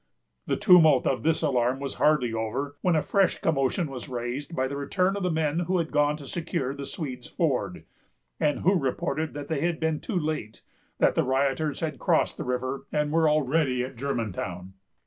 The tumult of this alarm was hardly over, when a fresh commotion was raised by the return of the men who had gone to secure the Swedes' Ford, and who reported that they had been too late; that the rioters had crossed the river, and were already at Germantown.